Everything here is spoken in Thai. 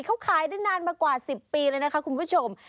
เขาขายได้นานมากว่า๑๐ปีเลยนะคะคุณผู้ชม